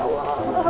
enggak ini serius